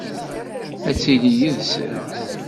Ad ttiliɣ yid-sen.